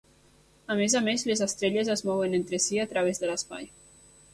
A més a més, les estrelles es mouen entre si a través de l'espai.